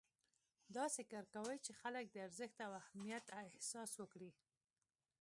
داسې کار کوئ چې خلک د ارزښت او اهمیت احساس وکړي.